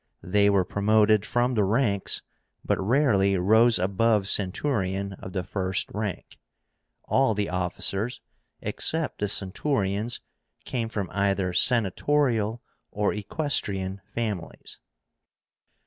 They were promoted from the ranks, but rarely rose above centurion of the first rank. All the officers, except the centurions, came from either senatorial or equestrian families.